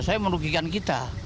saya merugikan kita